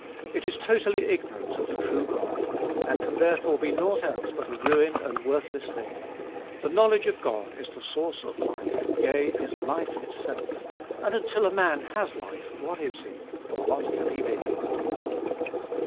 It is totally ignorant of the true God, and can therefore be naught else but a ruined and worthless thing. The knowledge of God is the source of life, yea, is itself life; and until a man has life, what is he, or what can he be?